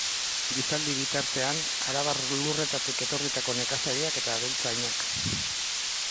Gizaldi bitartean, arabar lurretatik etorritako nekazariak eta abeltzainak.